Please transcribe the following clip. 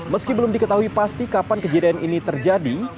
meski belum diketahui pasti kapan kejadian ini terjadi